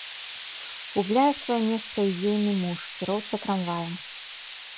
Губляе сваё месца й ейны муж, кіроўца трамвая.